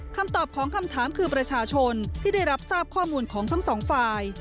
คำตอบของคำถามคือประชาชนที่ได้รับทราบข้อมูลของทั้งสองฝ่าย